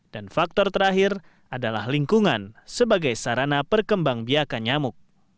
dan faktor terakhir adalah lingkungan sebagai sarana perkembang biakan nyamuk